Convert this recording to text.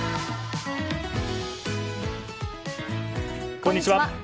こんにちは。